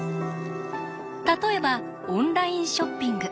例えばオンラインショッピング。